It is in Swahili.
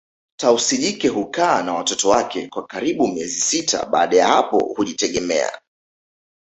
Tausi jike hukaa na watoto wake kwa karibu miezi sita baada ya hapo hujitegemea